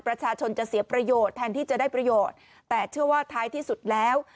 ประชาชนจะเสียประโยชน์แทนที่จะได้ประโยชน์แต่เชื่อว่าท้ายที่สุดแล้ว